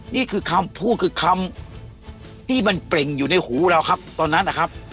นี่คือคำพูดคือคำที่มันเปล่งอยู่ในหูเราครับตอนนั้นนะครับ